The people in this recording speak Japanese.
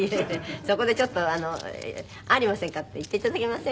そこでちょっと「ありませんか」って言って頂けません？